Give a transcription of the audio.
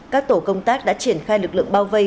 các tổ công tác đã triển khai lực lượng bao vây